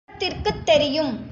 இது உலகத்திற்குத் தெரியும்.